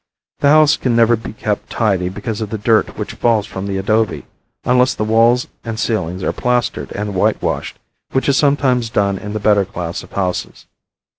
The house can never be kept tidy because of the dirt which falls from the adobe, unless the walls and ceilings are plastered and whitewashed, which is sometimes done in the better class of houses.